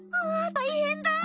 大変だ！